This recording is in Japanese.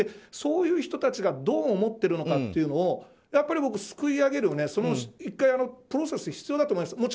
そういう人たちがどう思ってるのかというのをやっぱり僕、すくい上げる１回、プロセスが必要だと思います。